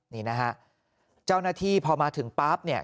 นี่นะฮะเจ้าหน้าที่พอมาถึงปั๊บเนี่ย